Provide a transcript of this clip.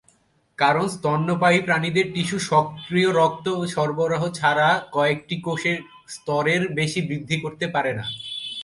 কারণ স্তন্যপায়ী প্রাণীদের টিস্যু সক্রিয় রক্ত সরবরাহ ছাড়া কয়েকটি কোষের স্তরের বেশি বৃদ্ধি করতে পারে না।